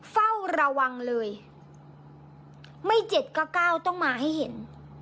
เฝ้าระวังเลยไม่๗ก็๙ต้องมาให้เห็น